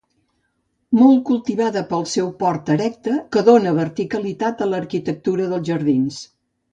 Molt cultivada pel seu port erecte que dóna verticalitat a l'arquitectura dels jardins.